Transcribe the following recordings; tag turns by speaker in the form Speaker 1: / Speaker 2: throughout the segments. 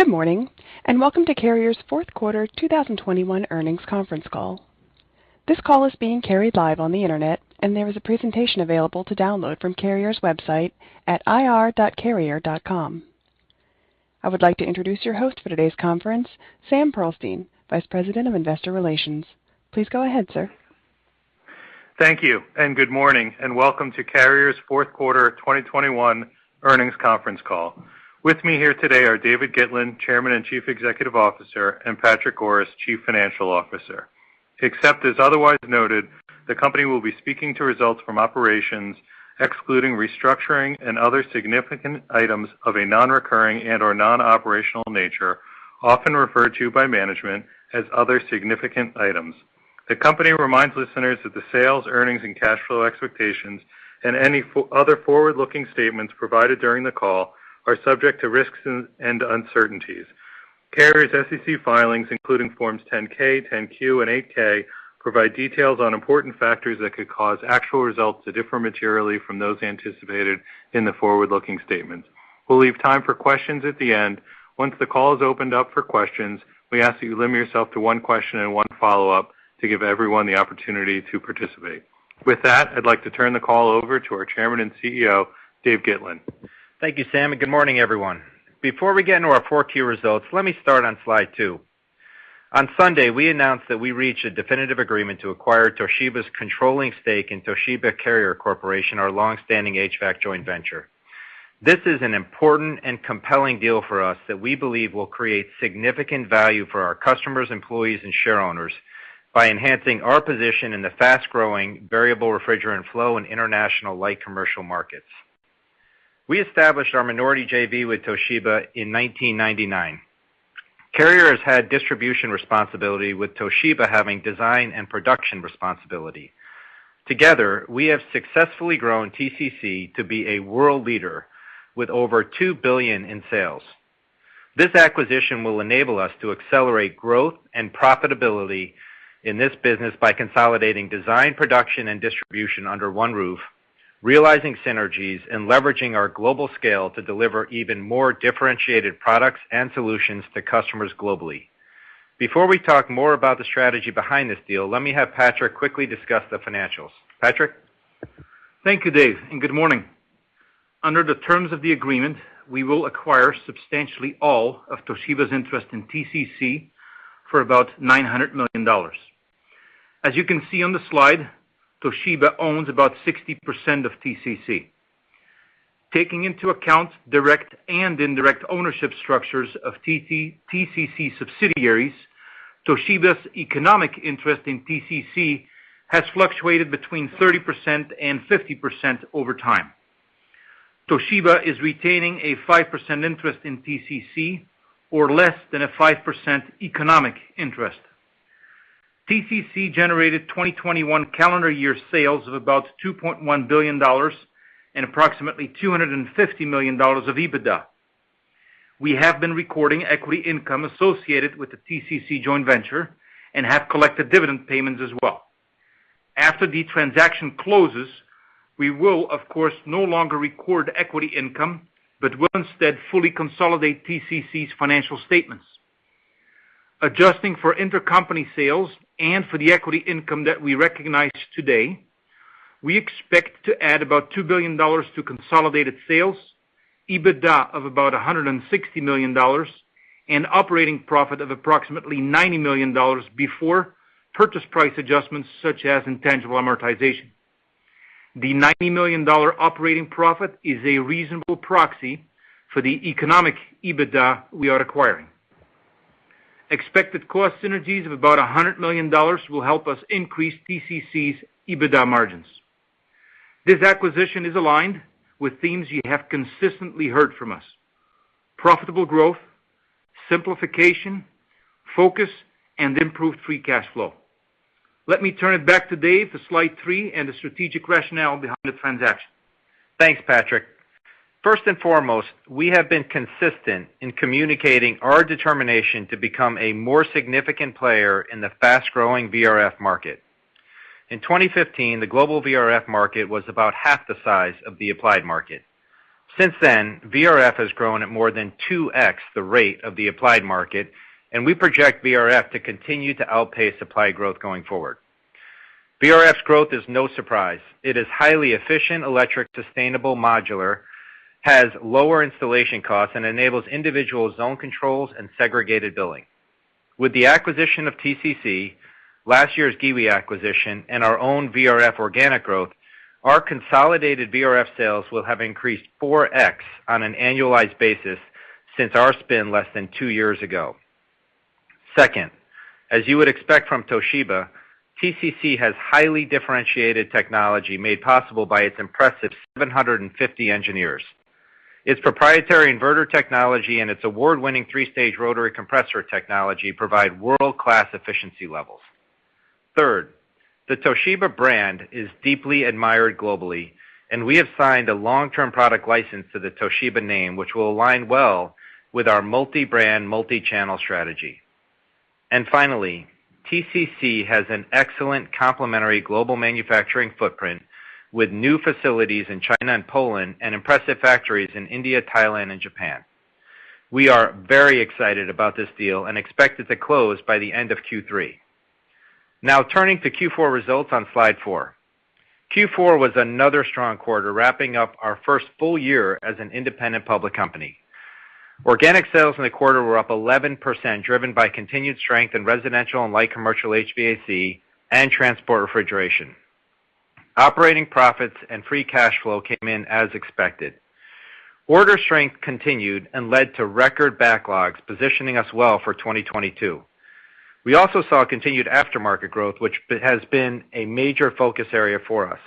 Speaker 1: Good morning, and welcome to Carrier's fourth quarter 2021 earnings conference call. This call is being carried live on the Internet, and there is a presentation available to download from Carrier's website at ir.carrier.com. I would like to introduce your host for today's conference, Sam Pearlstein, Vice President of Investor Relations. Please go ahead, sir.
Speaker 2: Thank you, and good morning, and welcome to Carrier's fourth quarter of 2021 earnings conference call. With me here today are David Gitlin, Chairman and Chief Executive Officer, and Patrick Goris, Chief Financial Officer. Except as otherwise noted, the company will be speaking to results from operations excluding restructuring and other significant items of a non-recurring and/or non-operational nature, often referred to by management as other significant items. The company reminds listeners that the sales, earnings, and cash flow expectations and any other forward-looking statements provided during the call are subject to risks and uncertainties. Carrier's SEC filings, including Forms 10-K, 10-Q, and 8-K provide details on important factors that could cause actual results to differ materially from those anticipated in the forward-looking statements. We'll leave time for questions at the end. Once the call is opened up for questions, we ask that you limit yourself to one question and one follow-up to give everyone the opportunity to participate. With that, I'd like to turn the call over to our Chairman and CEO, Dave Gitlin.
Speaker 3: Thank you, Sam, and good morning, everyone. Before we get into our 4Q results, let me start on slide two. On Sunday, we announced that we reached a definitive agreement to acquire Toshiba's controlling stake in Toshiba Carrier Corporation, our long-standing HVAC joint venture. This is an important and compelling deal for us that we believe will create significant value for our customers, employees, and shareowners by enhancing our position in the fast-growing variable refrigerant flow and international light commercial markets. We established our minority JV with Toshiba in 1999. Carrier has had distribution responsibility, with Toshiba having design and production responsibility. Together, we have successfully grown TCC to be a world leader with over $2 billion in sales. This acquisition will enable us to accelerate growth and profitability in this business by consolidating design, production, and distribution under one roof, realizing synergies, and leveraging our global scale to deliver even more differentiated products and solutions to customers globally. Before we talk more about the strategy behind this deal, let me have Patrick quickly discuss the financials. Patrick.
Speaker 4: Thank you, Dave, and good morning. Under the terms of the agreement, we will acquire substantially all of Toshiba's interest in TCC for about $900 million. As you can see on the slide, Toshiba owns about 60% of TCC. Taking into account direct and indirect ownership structures of Toshiba-TCC subsidiaries, Toshiba's economic interest in TCC has fluctuated between 30%-50% over time. Toshiba is retaining a 5% interest in TCC or less than a 5% economic interest. TCC generated 2021 calendar year sales of about $2.1 billion and approximately $250 million of EBITDA. We have been recording equity income associated with the TCC joint venture and have collected dividend payments as well. After the transaction closes, we will, of course, no longer record equity income, but will instead fully consolidate TCC's financial statements. Adjusting for intercompany sales and for the equity income that we recognize today, we expect to add about $2 billion to consolidated sales, EBITDA of about $160 million, and operating profit of approximately $90 million before purchase price adjustments such as intangible amortization. The $90 million operating profit is a reasonable proxy for the economic EBITDA we are acquiring. Expected cost synergies of about $100 million will help us increase TCC's EBITDA margins. This acquisition is aligned with themes you have consistently heard from us, profitable growth, simplification, focus, and improved free cash flow. Let me turn it back to Dave for slide three and the strategic rationale behind the transaction.
Speaker 3: Thanks, Patrick. First and foremost, we have been consistent in communicating our determination to become a more significant player in the fast-growing VRF market. In 2015, the global VRF market was about half the size of the applied market. Since then, VRF has grown at more than 2x the rate of the applied market, and we project VRF to continue to outpace applied growth going forward. VRF's growth is no surprise. It is highly efficient, electric, sustainable, modular, has lower installation costs, and enables individual zone controls and segregated billing. With the acquisition of TCC, last year's Giwee acquisition, and our own VRF organic growth, our consolidated VRF sales will have increased 4x on an annualized basis since our spin less than two-years ago. Second, as you would expect from Toshiba, TCC has highly differentiated technology made possible by its impressive 750 engineers. Its proprietary inverter technology and its award-winning three-stage rotary compressor technology provide world-class efficiency levels. Third, the Toshiba brand is deeply admired globally, and we have signed a long-term product license to the Toshiba name, which will align well with our multi-brand, multi-channel strategy. Finally, TCC has an excellent complementary global manufacturing footprint with new facilities in China and Poland and impressive factories in India, Thailand, and Japan. We are very excited about this deal and expect it to close by the end of Q3. Now turning to Q4 results on slide four. Q4 was another strong quarter, wrapping up our first full year as an independent public company. Organic sales in the quarter were up 11%, driven by continued strength in residential and light commercial HVAC and transport refrigeration. Operating profits and free cash flow came in as expected. Order strength continued and led to record backlogs, positioning us well for 2022. We also saw continued aftermarket growth, which has been a major focus area for us,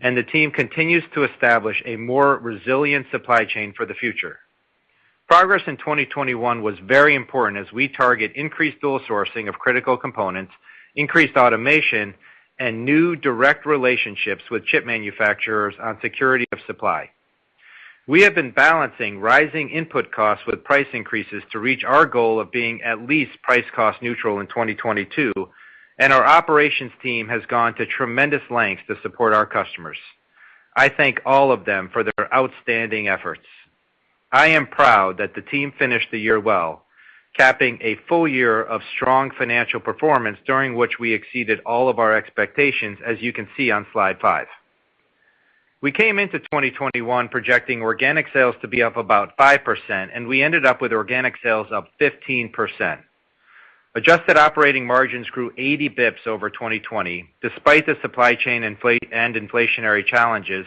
Speaker 3: and the team continues to establish a more resilient supply chain for the future. Progress in 2021 was very important as we target increased dual sourcing of critical components, increased automation, and new direct relationships with chip manufacturers on security of supply. We have been balancing rising input costs with price increases to reach our goal of being at least price cost neutral in 2022, and our operations team has gone to tremendous lengths to support our customers. I thank all of them for their outstanding efforts. I am proud that the team finished the year well, capping a full year of strong financial performance during which we exceeded all of our expectations as you can see on slide five. We came into 2021 projecting organic sales to be up about 5%, and we ended up with organic sales up 15%. Adjusted operating margins grew 80 bps over 2020, despite the supply chain and inflationary challenges,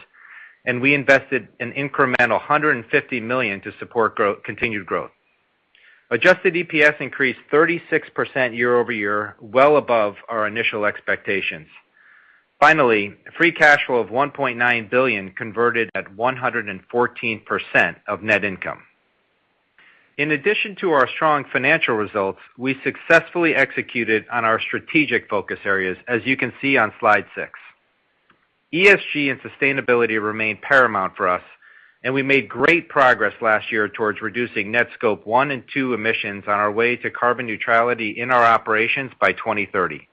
Speaker 3: and we invested an incremental $150 million to support continued growth. Adjusted EPS increased 36% year-over-year, well above our initial expectations. Finally, free cash flow of $1.9 billion converted at 114% of net income. In addition to our strong financial results, we successfully executed on our strategic focus areas, as you can see on slide six. ESG and sustainability remain paramount for us, and we made great progress last year towards reducing net Scope 1 and 2 emissions on our way to carbon neutrality in our operations by 2030.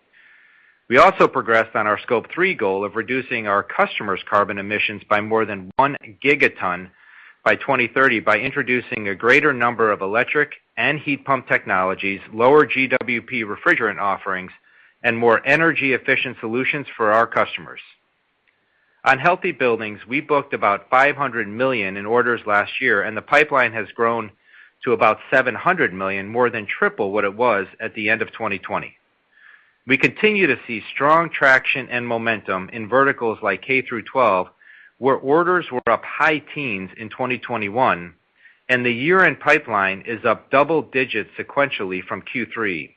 Speaker 3: We also progressed on our Scope 3 goal of reducing our customers' carbon emissions by more than 1 gigaton by 2030 by introducing a greater number of electric and heat pump technologies, lower GWP refrigerant offerings, and more energy-efficient solutions for our customers. On healthy buildings, we booked about $500 million in orders last year, and the pipeline has grown to about $700 million, more than triple what it was at the end of 2020. We continue to see strong traction and momentum in verticals like K-12, where orders were up high teens in 2021, and the year-end pipeline is up double -digits sequentially from Q3,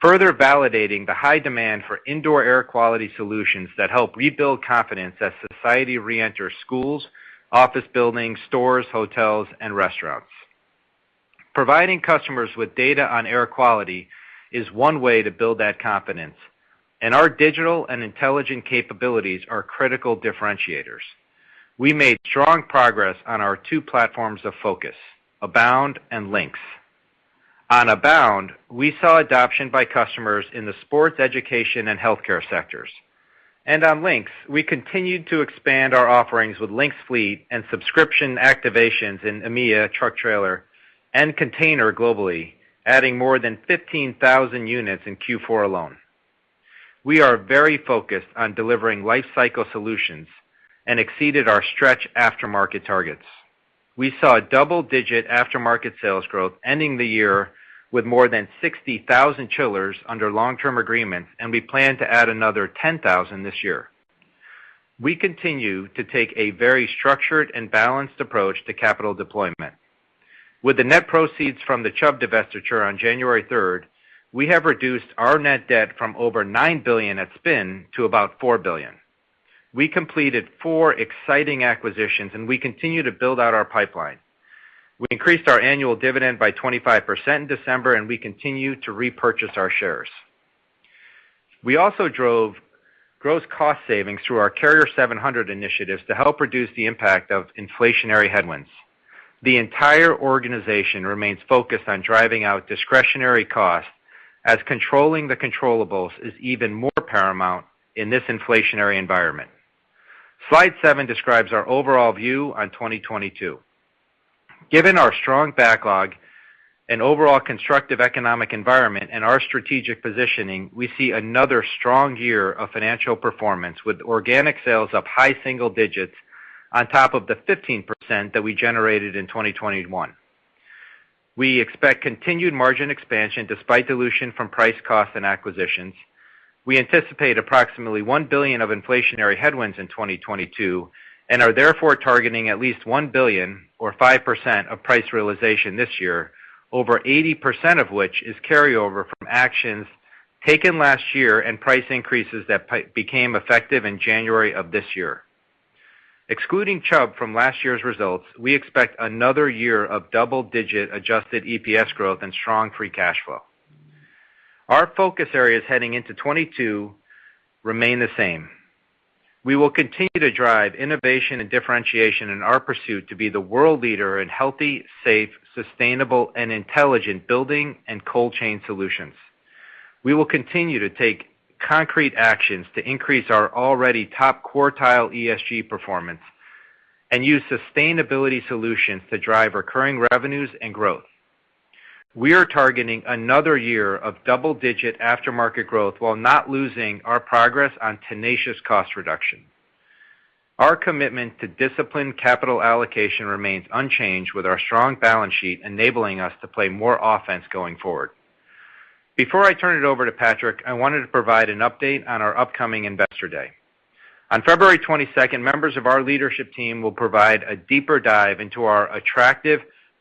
Speaker 3: further validating the high demand for indoor air quality solutions that help rebuild confidence as society reenters schools, office buildings, stores, hotels, and restaurants. Providing customers with data on air quality is one way to build that confidence, and our digital and intelligent capabilities are critical differentiators. We made strong progress on our two platforms of focus, Abound and Lynx. On Abound, we saw adoption by customers in the sports, education, and healthcare sectors. On Lynx, we continued to expand our offerings with Lynx Fleet and subscription activations in EMEA truck trailer and container globally, adding more than 15,000 units in Q4 alone. We are very focused on delivering lifecycle solutions and exceeded our stretch aftermarket targets. We saw a double-digit aftermarket sales growth ending the year with more than 60,000 chillers under long-term agreements, and we plan to add another 10,000 this year. We continue to take a very structured and balanced approach to capital deployment. With the net proceeds from the Chubb divestiture on January third, we have reduced our net debt from over $9 billion at spin to about $4 billion. We completed 4 exciting acquisitions, and we continue to build out our pipeline. We increased our annual dividend by 25% in December, and we continue to repurchase our shares. We also drove gross cost savings through our Carrier 700 initiatives to help reduce the impact of inflationary headwinds. The entire organization remains focused on driving out discretionary costs as controlling the controllables is even more paramount in this inflationary environment. Slide seven describes our overall view on 2022. Given our strong backlog and overall constructive economic environment and our strategic positioning, we see another strong year of financial performance with organic sales up high single-digits on top of the 15% that we generated in 2021. We expect continued margin expansion despite dilution from price cost and acquisitions. We anticipate approximately $1 billion of inflationary headwinds in 2022 and are therefore targeting at least $1 billion or 5% of price realization this year, over 80% of which is carryover from actions taken last year and price increases that became effective in January of this year. Excluding Chubb from last year's results, we expect another year of double-digit adjusted EPS growth and strong free cash flow. Our focus areas heading into 2022 remain the same. We will continue to drive innovation and differentiation in our pursuit to be the world leader in healthy, safe, sustainable, and intelligent building and cold chain solutions. We will continue to take concrete actions to increase our already top-quartile ESG performance and use sustainability solutions to drive recurring revenues and growth. We are targeting another year of double-digit aftermarket growth while not losing our progress on tenacious cost reduction. Our commitment to disciplined capital allocation remains unchanged, with our strong balance sheet enabling us to play more offense going forward. Before I turn it over to Patrick, I wanted to provide an update on our upcoming Investor Day. On February 22, members of our leadership team will provide a deeper dive into our attractive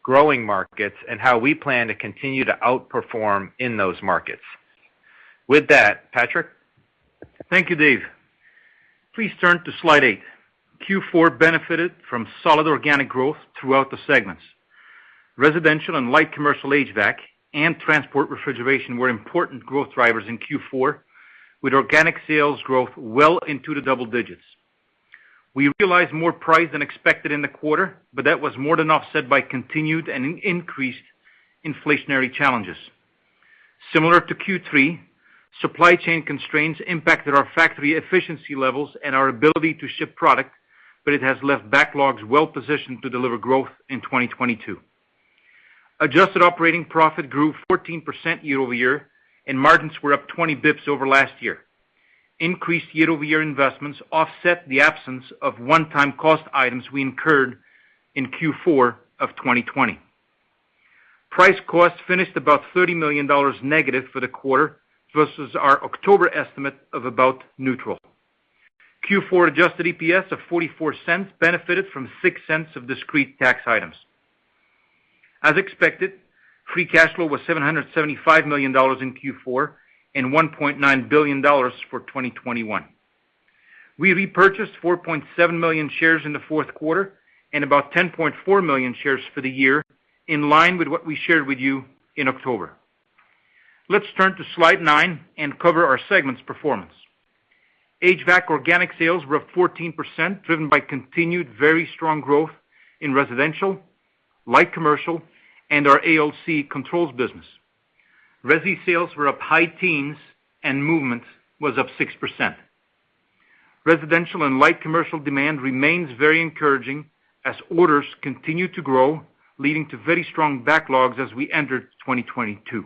Speaker 3: growing markets and how we plan to continue to outperform in those markets. With that, Patrick.
Speaker 4: Thank you, Dave. Please turn to slide eight. Q4 benefited from solid organic growth throughout the segments. Residential and light commercial HVAC and transport refrigeration were important growth drivers in Q4, with organic sales growth well into the double-digits. We realized more price than expected in the quarter, but that was more than offset by continued and increased inflationary challenges. Similar to Q3, supply chain constraints impacted our factory efficiency levels and our ability to ship product, but it has left backlogs well-positioned to deliver growth in 2022. Adjusted operating profit grew 14% year-over-year, and margins were up 20 basis points over last year. Increased year-over-year investments offset the absence of one-time cost items we incurred in Q4 of 2020. Price cost finished about $30 million negative for the quarter versus our October estimate of about neutral. Q4 adjusted EPS of $0.44 benefited from $0.06 of discrete tax items. As expected, free cash flow was $775 million in Q4 and $1.9 billion for 2021. We repurchased 4.7 million shares in the fourth quarter and about 10.4 million shares for the year, in line with what we shared with you in October. Let's turn to slide nine and cover our segments performance. HVAC organic sales were up 14%, driven by continued very strong growth in residential, light commercial, and our ALC controls business. Resi sales were up high teens, and movement was up 6%. Residential and light commercial demand remains very encouraging as orders continue to grow, leading to very strong backlogs as we enter 2022.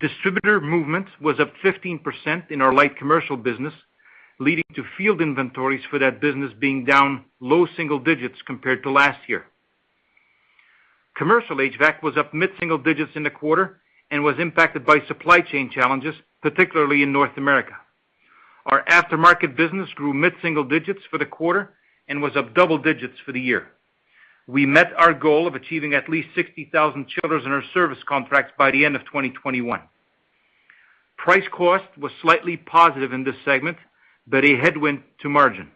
Speaker 4: Distributor movement was up 15% in our light commercial business, leading to field inventories for that business being down low-single-digits compared to last year. Commercial HVAC was up mid-single-digits in the quarter and was impacted by supply chain challenges, particularly in North America. Our aftermarket business grew mid-single-digits for the quarter and was up double-digits for the year. We met our goal of achieving at least 60,000 chillers in our service contracts by the end of 2021. Price cost was slightly positive in this segment, but a headwind to margin.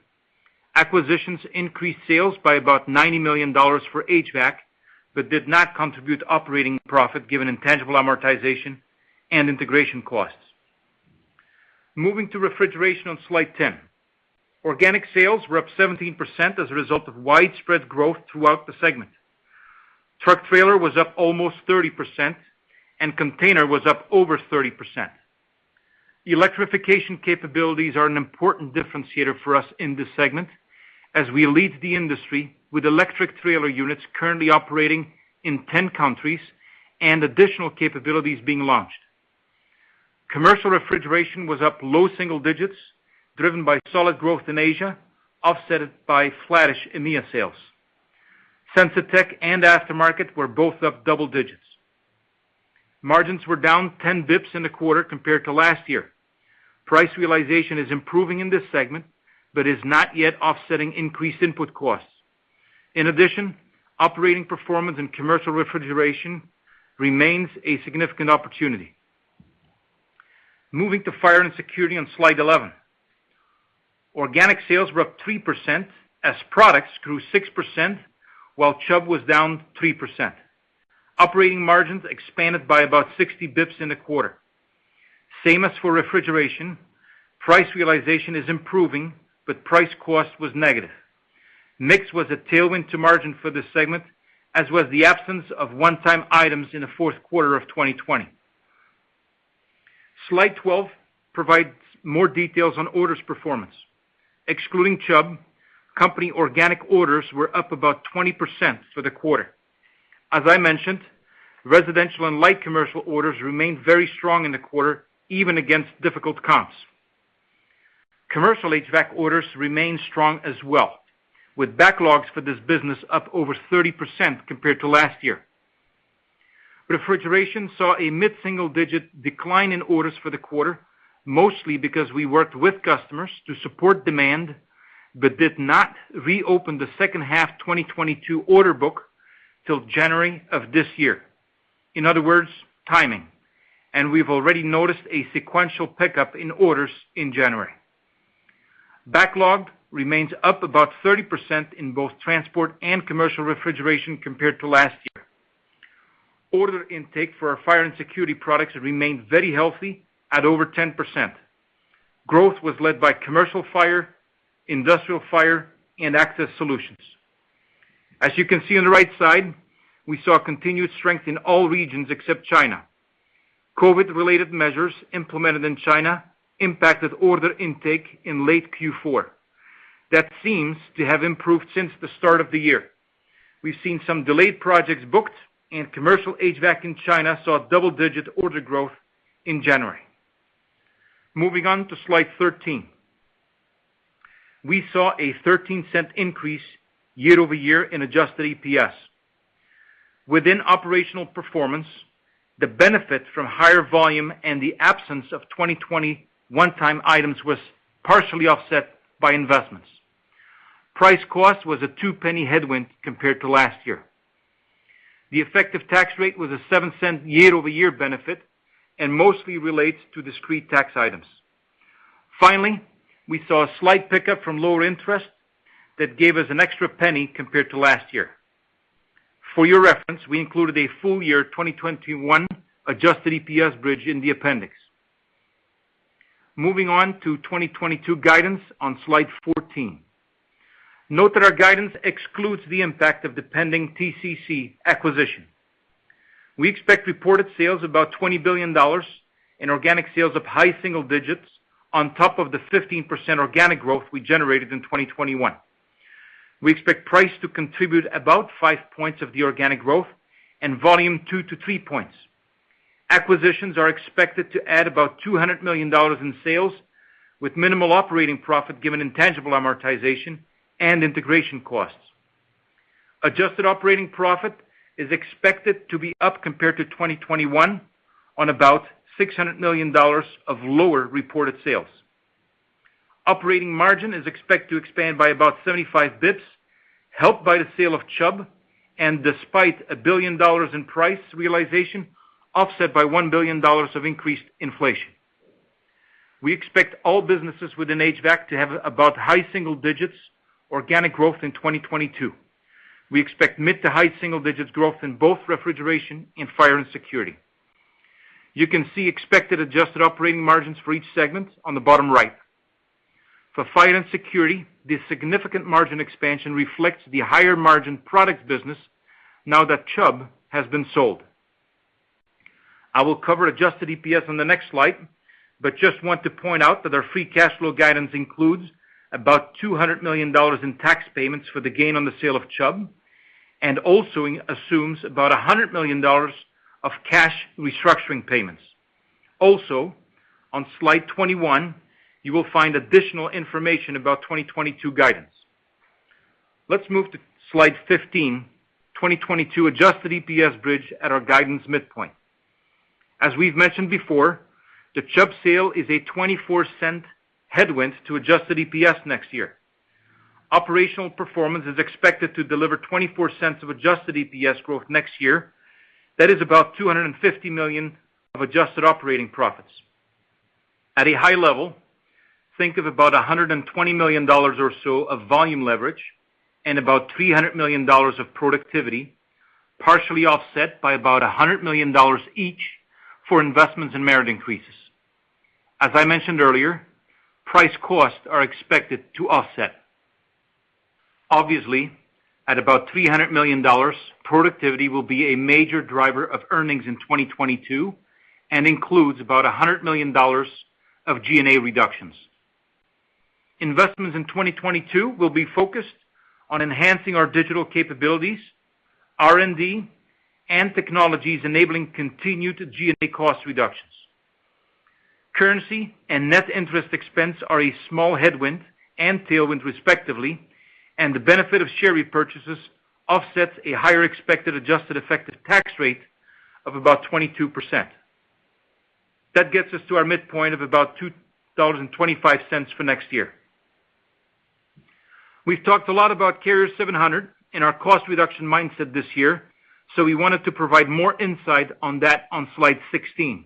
Speaker 4: Acquisitions increased sales by about $90 million for HVAC, but did not contribute operating profit given intangible amortization and integration costs. Moving to refrigeration on slide 10. Organic sales were up 17% as a result of widespread growth throughout the segment. Truck trailer was up almost 30%, and container was up over 30%. Electrification capabilities are an important differentiator for us in this segment as we lead the industry with electric trailer units currently operating in 10 countries and additional capabilities being launched. Commercial refrigeration was up low-single-digits, driven by solid growth in Asia, offset by flattish EMEA sales. Sensitech and Aftermarket were both up double-digits. Margins were down 10 basis points in the quarter compared to last year. Price realization is improving in this segment but is not yet offsetting increased input costs. In addition, operating performance in commercial refrigeration remains a significant opportunity. Moving to Fire and Security on slide eleven. Organic sales were up 3% as products grew 6% while Chubb was down 3%. Operating margins expanded by about 60 basis points in the quarter. Same as for refrigeration, price realization is improving, but price cost was negative. Mix was a tailwind to margin for this segment, as was the absence of one-time items in the fourth quarter of 2020. Slide twelve provides more details on orders performance. Excluding Chubb, company organic orders were up about 20% for the quarter. As I mentioned, residential and light commercial orders remained very strong in the quarter, even against difficult comps. Commercial HVAC orders remain strong as well, with backlogs for this business up over 30% compared to last year. Refrigeration saw a mid-single-digit decline in orders for the quarter, mostly because we worked with customers to support demand but did not reopen the second half 2022 order book till January of this year. In other words, timing. We've already noticed a sequential pickup in orders in January. Backlog remains up about 30% in both transport and commercial refrigeration compared to last year. Order intake for our fire and security products remained very healthy at over 10%. Growth was led by commercial fire, industrial fire, and access solutions. As you can see on the right side, we saw continued strength in all regions except China. COVID-related measures implemented in China impacted order intake in late Q4. That seems to have improved since the start of the year. We've seen some delayed projects booked, and commercial HVAC in China saw double-digit order growth in January. Moving on to slide 13. We saw a $0.13 increase year-over-year in adjusted EPS. Within operational performance, the benefit from higher volume and the absence of 2021 one-time items was partially offset by investments. Price cost was a $0.02 headwind compared to last year. The effective tax rate was a $0.07 year-over-year benefit and mostly relates to discrete tax items. Finally, we saw a slight pickup from lower interest that gave us an extra $0.01 compared to last year. For your reference, we included a full year 2021 adjusted EPS bridge in the appendix. Moving on to 2022 guidance on slide 14. Note that our guidance excludes the impact of the pending TCC acquisition. We expect reported sales about $20 billion and organic sales of high single-digits on top of the 15% organic growth we generated in 2021. We expect price to contribute about 5 points of the organic growth and volume 2-3 points. Acquisitions are expected to add about $200 million in sales with minimal operating profit given intangible amortization and integration costs. Adjusted operating profit is expected to be up compared to 2021 on about $600 million of lower reported sales. Operating margin is expected to expand by about 75 basis points, helped by the sale of Chubb and a billion dollars in price realization, offset by $1 billion of increased inflation. We expect all businesses within HVAC to have about high single-digits organic growth in 2022. We expect mid- to high-single-digits growth in both refrigeration and fire and security. You can see expected adjusted operating margins for each segment on the bottom right. For fire and security, the significant margin expansion reflects the higher margin products business now that Chubb has been sold. I will cover adjusted EPS on the next slide, but just want to point out that our free cash flow guidance includes about $200 million in tax payments for the gain on the sale of Chubb, and also assumes about $100 million of cash restructuring payments. On slide twenty-one, you will find additional information about 2022 guidance. Let's move to slide fifteen, 2022 adjusted EPS bridge at our guidance midpoint. As we've mentioned before, the Chubb sale is a 24-cent headwind to adjusted EPS next year. Operational performance is expected to deliver 24 cents of adjusted EPS growth next year. That is about $250 million of adjusted operating profits. At a high level, think of about $120 million or so of volume leverage and about $300 million of productivity, partially offset by about $100 million each for investments and merit increases. As I mentioned earlier, price costs are expected to offset. Obviously, at about $300 million, productivity will be a major driver of earnings in 2022 and includes about $100 million of G&A reductions. Investments in 2022 will be focused on enhancing our digital capabilities, R&D, and technologies enabling continued G&A cost reductions. Currency and net interest expense are a small headwind and tailwind, respectively, and the benefit of share repurchases offsets a higher expected adjusted effective tax rate of about 22%. That gets us to our midpoint of about $2.25 for next year. We've talked a lot about Carrier 700 in our cost reduction mindset this year, so we wanted to provide more insight on that on slide 16.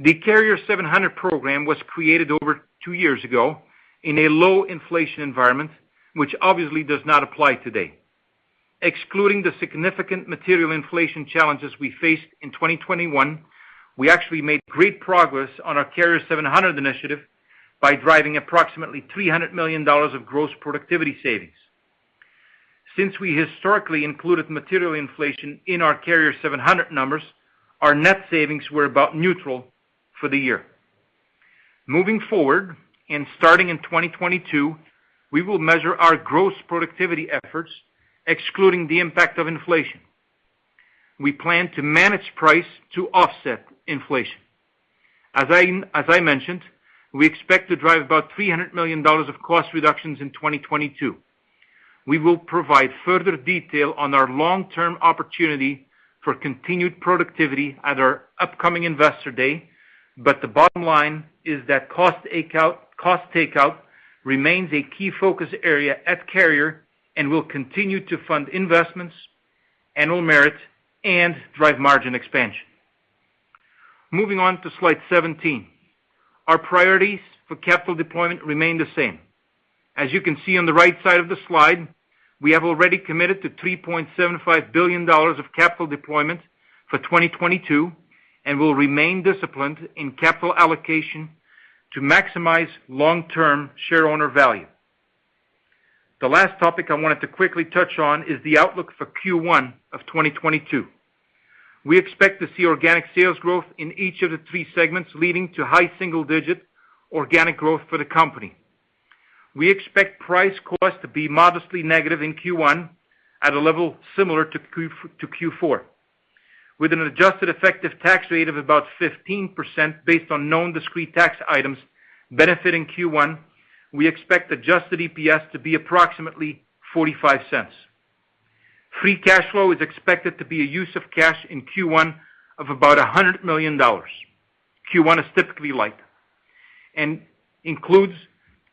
Speaker 4: The Carrier 700 program was created over two years ago in a low inflation environment, which obviously does not apply today. Excluding the significant material inflation challenges we faced in 2021, we actually made great progress on our Carrier 700 initiative by driving approximately $300 million of gross productivity savings. Since we historically included material inflation in our Carrier 700 numbers, our net savings were about neutral for the year. Moving forward, and starting in 2022, we will measure our gross productivity efforts, excluding the impact of inflation. We plan to manage price to offset inflation. As I mentioned, we expect to drive about $300 million of cost reductions in 2022. We will provide further detail on our long-term opportunity for continued productivity at our upcoming Investor Day. The bottom line is that cost takeout remains a key focus area at Carrier and will continue to fund investments, annual merit, and drive margin expansion. Moving on to slide 17. Our priorities for capital deployment remain the same. As you can see on the right side of the slide, we have already committed to $3.75 billion of capital deployment for 2022 and will remain disciplined in capital allocation to maximize long-term shareowner value. The last topic I wanted to quickly touch on is the outlook for Q1 of 2022. We expect to see organic sales growth in each of the three segments, leading to high single-digit organic growth for the company. We expect price cost to be modestly negative in Q1 at a level similar to Q4. With an adjusted effective tax rate of about 15% based on known discrete tax items benefiting Q1, we expect adjusted EPS to be approximately $0.45. Free cash flow is expected to be a use of cash in Q1 of about $100 million. Q1 is typically light and includes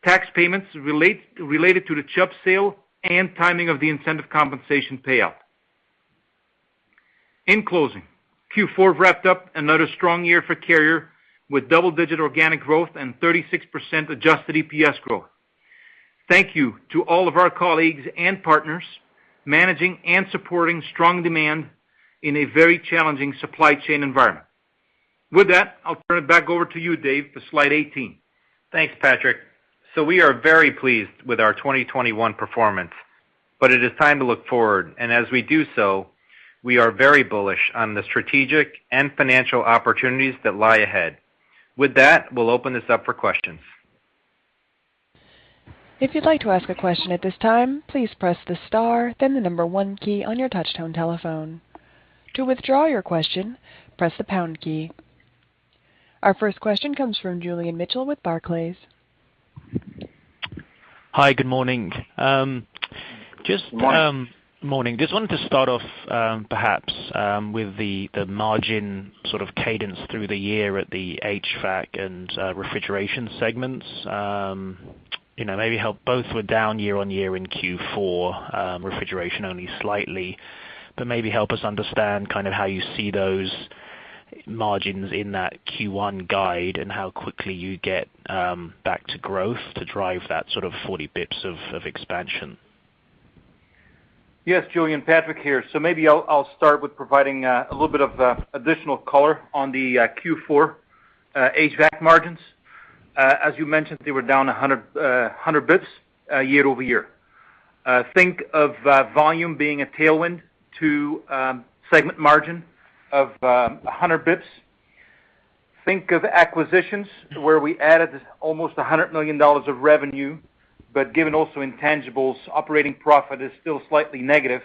Speaker 4: tax payments related to the Chubb sale and timing of the incentive compensation payout. In closing, Q4 wrapped up another strong year for Carrier with double-digit organic growth and 36% adjusted EPS growth. Thank you to all of our colleagues and partners managing and supporting strong demand in a very challenging supply chain environment. With that, I'll turn it back over to you, Dave, for slide 18.
Speaker 3: Thanks, Patrick. We are very pleased with our 2021 performance, but it is time to look forward. As we do so, we are very bullish on the strategic and financial opportunities that lie ahead. With that, we'll open this up for questions.
Speaker 1: If you'd like to ask a question at this time, please press the star then the number one key on your touchtone telephone. To withdraw your question, press the pound key. Our first question comes from Julian Mitchell with Barclays.
Speaker 5: Hi, good morning.
Speaker 3: Morning.
Speaker 5: Morning. Just wanted to start off, perhaps, with the margin sort of cadence through the year at the HVAC and refrigeration segments. You know, maybe help both were down year-over-year in Q4, refrigeration only slightly. But maybe help us understand kind of how you see those margins in that Q1 guide and how quickly you get back to growth to drive that sort of 40 bps of expansion.
Speaker 4: Yes, Julian, Patrick here. Maybe I'll start with providing a little bit of additional color on the Q4 HVAC margins. As you mentioned, they were down 100 basis points year-over-year. Think of volume being a tailwind to segment margin of 100 basis points. Think of acquisitions where we added almost $100 million of revenue, but given also intangibles, operating profit is still slightly negative.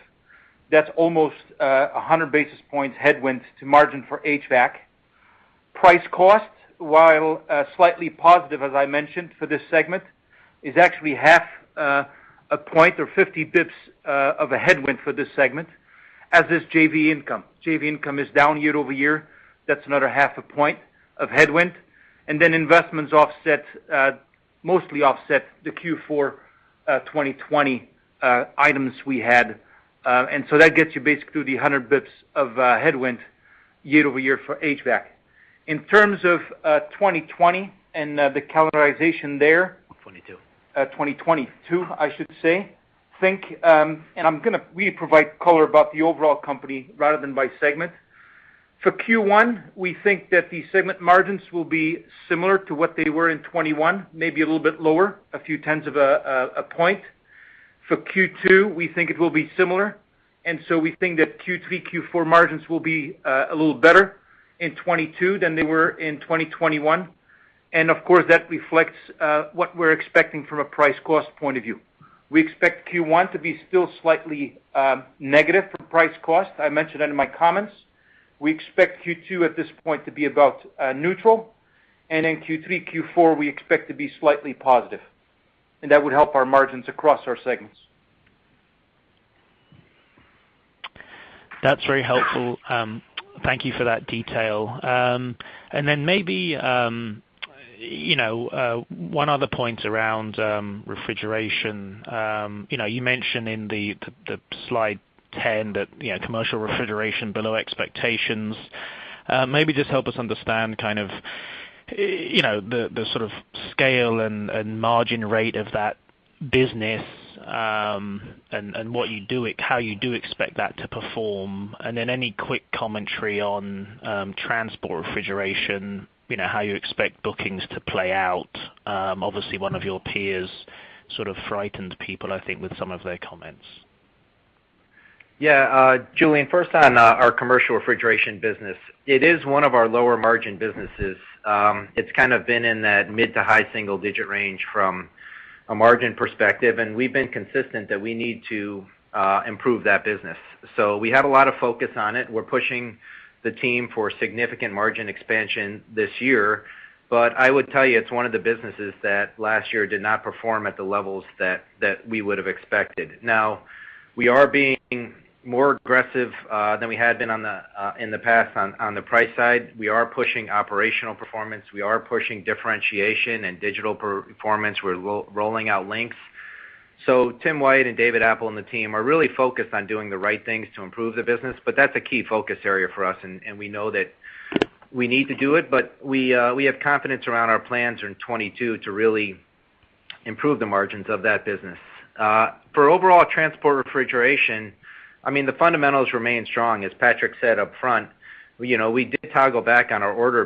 Speaker 4: That's almost 100 basis points headwind to margin for HVAC. Price cost, while slightly positive, as I mentioned for this segment, is actually half a point or 50 basis points of a headwind for this segment, as is JV income. JV income is down year-over-year. That's another half a point of headwind. Investments offset, mostly offset the Q4 2020 items we had. That gets you basically to the 100 bps of headwind year-over-year for HVAC. In terms of 2020 and the calendarization there
Speaker 3: Twenty-two.
Speaker 6: 2022, I should say. We provide color about the overall company rather than by segment. For Q1, we think that the segment margins will be similar to what they were in 2021, maybe a little bit lower, a few tenths of a point. For Q2, we think it will be similar, and so we think that Q3, Q4 margins will be a little better in 2022 than they were in 2021. Of course, that reflects what we're expecting from a price cost point of view. We expect Q1 to be still slightly negative for price cost. I mentioned that in my comments. We expect Q2 at this point to be about neutral. In Q3, Q4, we expect to be slightly positive, and that would help our margins across our segments.
Speaker 5: That's very helpful. Thank you for that detail. Maybe, one other point around refrigeration. You know, you mentioned in the slide ten that commercial refrigeration below expectations. Maybe just help us understand kind of the sort of scale and margin rate of that business, and how you do expect that to perform. Any quick commentary on transport refrigeration, how you expect bookings to play out. Obviously, one of your peers sort of frightened people, I think, with some of their comments.
Speaker 3: Yeah, Julian, first on our commercial refrigeration business, it is one of our lower-margin businesses. It's kind of been in that mid- to high-single-digit range from a margin perspective, and we've been consistent that we need to improve that business. We have a lot of focus on it. We're pushing the team for significant margin expansion this year. I would tell you, it's one of the businesses that last year did not perform at the levels that we would have expected. Now, we are being more aggressive than we had been in the past on the price side. We are pushing operational performance. We are pushing differentiation and digital performance. We're rolling out Lynx. Tim White and David Appel and the team are really focused on doing the right things to improve the business, but that's a key focus area for us, and we know that we need to do it, but we have confidence around our plans in 2022 to really improve the margins of that business. For overall transport refrigeration, I mean, the fundamentals remain strong, as Patrick said up front. You know, we did toggle back on our order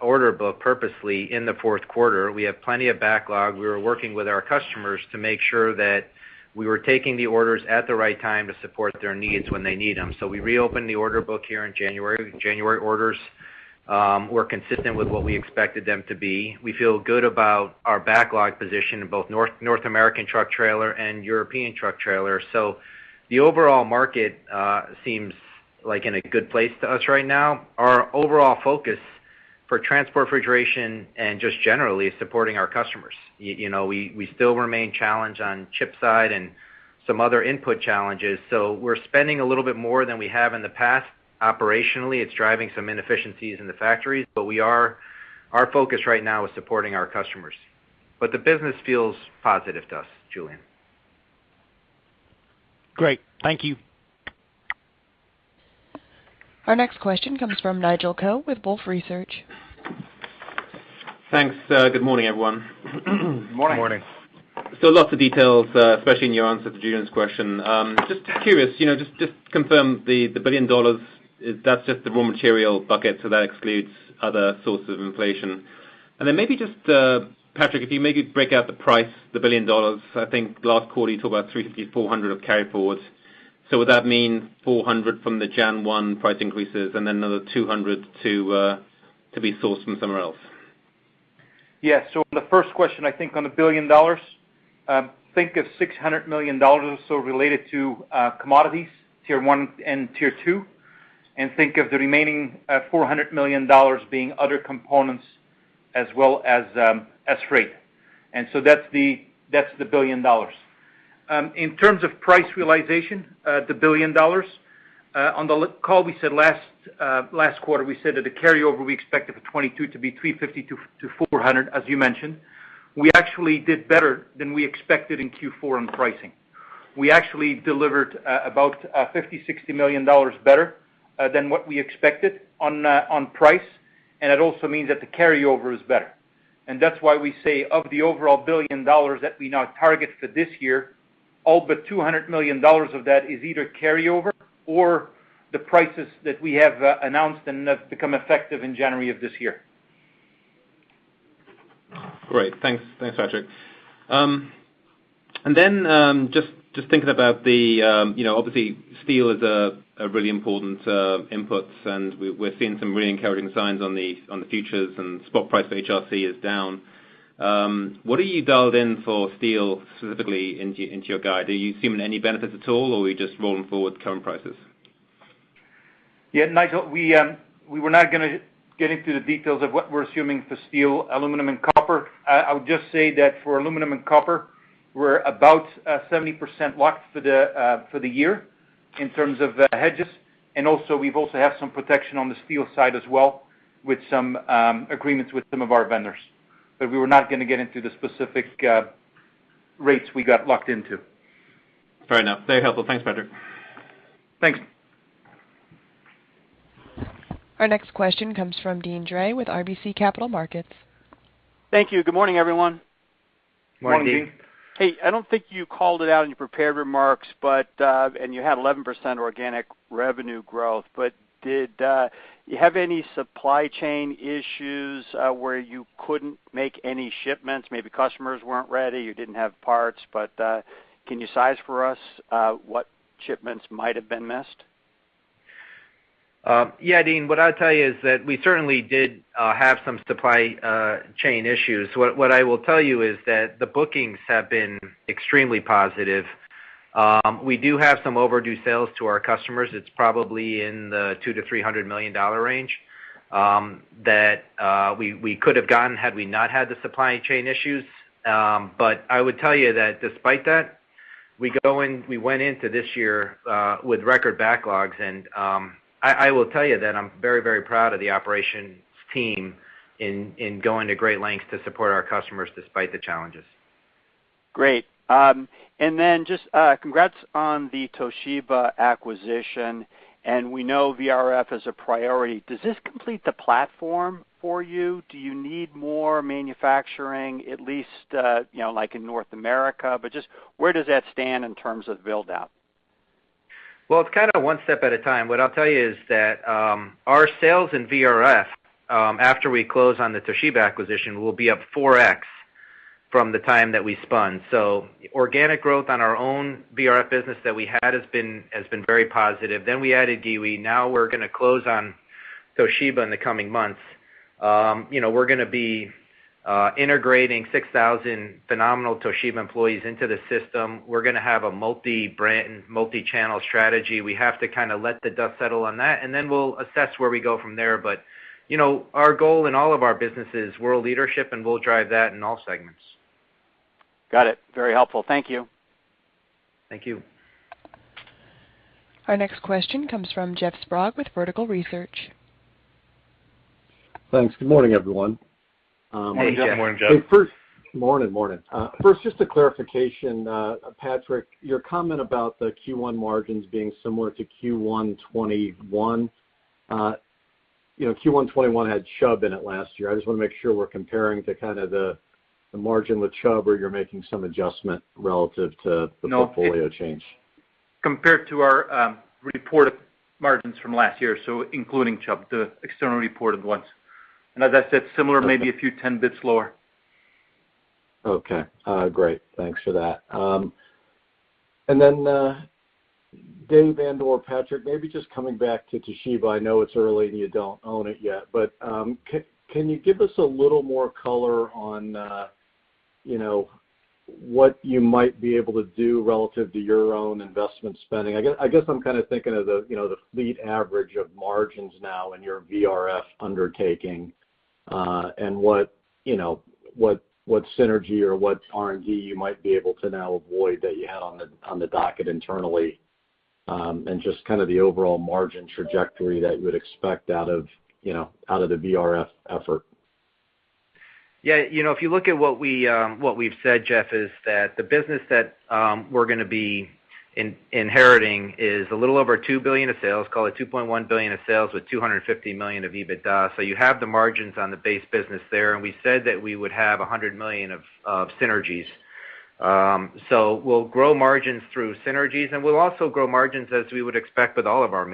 Speaker 3: book purposely in the fourth quarter. We have plenty of backlog. We were working with our customers to make sure that we were taking the orders at the right time to support their needs when they need them. We reopened the order book here in January. January orders were consistent with what we expected them to be. We feel good about our backlog position in both North American truck trailer and European truck trailer. The overall market seems like in a good place to us right now. Our overall focus for transport refrigeration and just generally is supporting our customers. You know, we still remain challenged on chip side and some other input challenges. We're spending a little bit more than we have in the past operationally. It's driving some inefficiencies in the factories, but our focus right now is supporting our customers. The business feels positive to us, Julian.
Speaker 5: Great. Thank you.
Speaker 1: Our next question comes from Nigel Coe with Wolfe Research.
Speaker 7: Thanks. Good morning, everyone.
Speaker 3: Good morning.
Speaker 4: Morning.
Speaker 7: Lots of details, especially in your answer to Julian's question. Just curious, you know, just confirm the $1 billion, that's just the raw material bucket, so that excludes other sources of inflation. Maybe just, Patrick, if you maybe break out the price, the $1 billion. I think last quarter, you talked about $350-$400 of carryforwards. Would that mean $400 from the January 1 price increases and then another $200 to be sourced from somewhere else?
Speaker 4: Yes. On the first question, I think on the $1 billion, think of $600 million or so related to commodities, Tier 1 and Tier 2, and think of the remaining $400 million being other components as well as freight. That's the $1 billion. In terms of price realization, the $1 billion, on the last call we said last quarter, we said that the carryover we expected for 2022 to be 350-400, as you mentioned. We actually did better than we expected in Q4 on pricing. We actually delivered about 50-60 million dollars better than what we expected on price, and it also means that the carryover is better. That's why we say of the overall $1 billion that we now target for this year, all but $200 million of that is either carryover or the prices that we have announced and have become effective in January of this year.
Speaker 7: Great. Thanks. Thanks, Patrick. Just thinking about the obviously steel is a really important input, and we're seeing some really encouraging signs on the futures and spot price for HRC is down. What are you dialed in for steel specifically into your guide? Are you assuming any benefits at all, or are you just rolling forward the current prices?
Speaker 4: Yeah, Nigel, we were not gonna get into the details of what we're assuming for steel, aluminum, and copper. I would just say that for aluminum and copper, we're about 70% locked for the year in terms of hedges. Also, we also have some protection on the steel side as well with some agreements with some of our vendors. We were not gonna get into the specific rates we got locked into.
Speaker 7: Fair enough. Very helpful. Thanks, Patrick.
Speaker 4: Thanks.
Speaker 1: Our next question comes from Deane Dray with RBC Capital Markets.
Speaker 8: Thank you. Good morning, everyone.
Speaker 3: Morning.
Speaker 4: Good morning, Deane.
Speaker 8: Hey, I don't think you called it out in your prepared remarks, but and you had 11% organic revenue growth, but did you have any supply chain issues where you couldn't make any shipments? Maybe customers weren't ready, you didn't have parts, but can you size for us what shipments might have been missed?
Speaker 3: Yeah, Deane, what I'll tell you is that we certainly did have some supply chain issues. What I will tell you is that the bookings have been extremely positive. We do have some overdue sales to our customers. It's probably in the $200 million-$300 million range that we could have gotten had we not had the supply chain issues. But I would tell you that despite that, we went into this year with record backlogs. I will tell you that I'm very, very proud of the operations team in going to great lengths to support our customers despite the challenges.
Speaker 8: Great. Just congrats on the Toshiba acquisition, and we know VRF is a priority. Does this complete the platform for you? Do you need more manufacturing, at least like in North America? Just where does that stand in terms of build-out?
Speaker 3: Well, it's kind of one step at a time. What I'll tell you is that our sales in VRF after we close on the Toshiba acquisition will be up 4x from the time that we spun. Organic growth on our own VRF business that we had has been very positive. Then we added Giwee. Now we're gonna close on Toshiba in the coming months. You know, we're gonna be integrating 6,000 phenomenal Toshiba employees into the system. We're gonna have a multi-brand, multi-channel strategy. We have to kind of let the dust settle on that, and then we'll assess where we go from there. You know, our goal in all of our business is world leadership, and we'll drive that in all segments.
Speaker 8: Got it. Very helpful. Thank you.
Speaker 3: Thank you.
Speaker 1: Our next question comes from Jeff Sprague with Vertical Research.
Speaker 9: Thanks. Good morning, everyone.
Speaker 3: Hey, Jeff. Good morning, Jeff.
Speaker 9: Morning, morning. First, just a clarification, Patrick, your comment about the Q1 margins being similar to Q1 2021. You know, Q1 2021 had Chubb in it last year. I just wanna make sure we're comparing to kind of the margin with Chubb or you're making some adjustment relative to the portfolio change.
Speaker 4: Compared to our reported margins from last year, so including Chubb, the external reported ones. As I said, similar, maybe a few 10 bits lower.
Speaker 9: Okay. Great. Thanks for that. David and/or Patrick, maybe just coming back to Toshiba, I know it's early and you don't own it yet, but can you give us a little more color on what you might be able to do relative to your own investment spending? I guess I'm kind of thinking of the fleet average of margins now in your VRF undertaking, and what synergy or what R&D you might be able to now avoid that you had on the docket internally, and just kind of the overall margin trajectory that you would expect out of now, out of the VRF effort.
Speaker 3: Yeah. You know, if you look at what we've said, Jeff, is that the business that we're gonna be inheriting is a little over $2 billion of sales, call it $2.1 billion of sales with $250 million of EBITDA. You have the margins on the base business there. We said that we would have $100 million of synergies. We'll grow margins through synergies, and we'll also grow margins as we would expect with all of our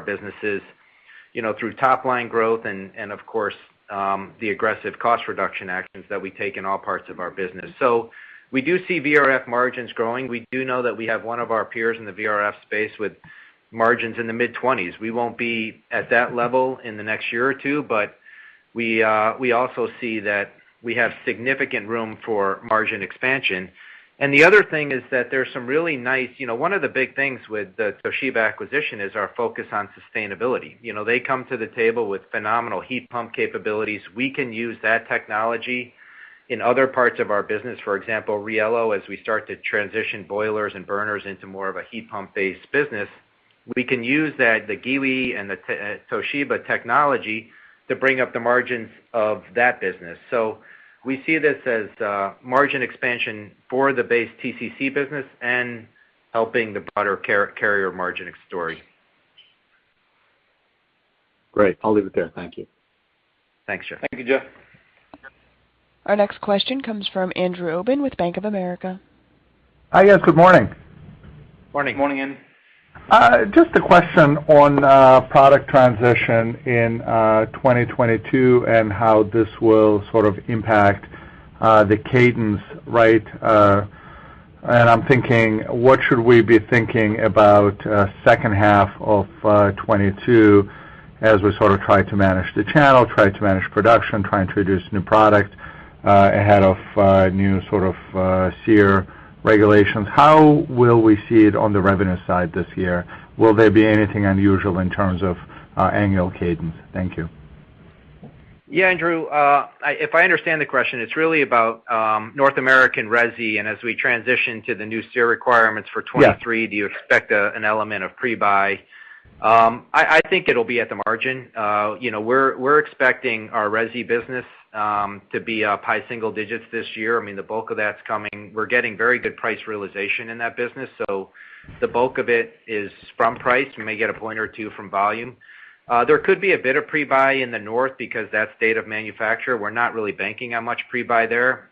Speaker 3: businesses, through top line growth and, of course, the aggressive cost reduction actions that we take in all parts of our business. We do see VRF margins growing. We do know that we have one of our peers in the VRF space with margins in the mid-20s. We won't be at that level in the next year or two, but we also see that we have significant room for margin expansion. The other thing is that one of the big things with the Toshiba acquisition is our focus on sustainability. You know, they come to the table with phenomenal heat pump capabilities. We can use that technology in other parts of our business. For example, Riello, as we start to transition boilers and burners into more of a heat pump-based business, we can use that, the Giwee and the Toshiba technology to bring up the margins of that business. We see this as margin expansion for the base TCC business and helping the broader Carrier margin story.
Speaker 9: Great. I'll leave it there. Thank you.
Speaker 3: Thanks, Jeff.
Speaker 4: Thank you, Jeff.
Speaker 1: Our next question comes from Andrew Obin with Bank of America.
Speaker 10: Hi, guys. Good morning.
Speaker 3: Morning.
Speaker 4: Morning, Andrew.
Speaker 10: Just a question on product transition in 2022 and how this will sort of impact the cadence, right? I'm thinking, what should we be thinking about second half of 2022 as we sort of try to manage the channel, try to manage production, try and introduce new product ahead of new sort of SEER regulations? How will we see it on the revenue side this year? Will there be anything unusual in terms of annual cadence? Thank you.
Speaker 3: Yeah, Andrew, if I understand the question, it's really about North American resi, and as we transition to the new SEER requirements for 2023-
Speaker 10: Yes
Speaker 3: Do you expect an element of pre-buy? I think it'll be at the margin. You know, we're expecting our resi business to be high single-digits this year. I mean, the bulk of that's coming. We're getting very good price realization in that business, so the bulk of it is from price. We may get a point or two from volume. There could be a bit of pre-buy in the North because that's state mandates. We're not really banking on much pre-buy there.